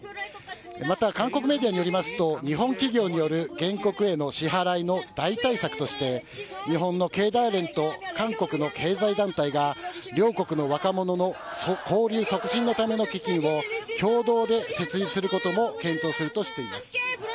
また韓国メディアによりますと、日本企業による原告への支払いの代替策として、日本の経団連と韓国の経済団体が両国の若者の交流促進のための基金を共同で設立することも検討するとしています。